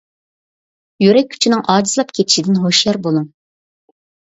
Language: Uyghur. يۈرەك كۈچىنىڭ ئاجىزلاپ كېتىشىدىن ھوشيار بولۇڭ.